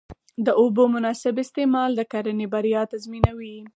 د اوبو مناسب استعمال د کرنې بریا تضمینوي.